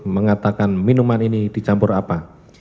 mengatakan minuman ini dicampur apa